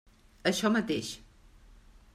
Això mateix.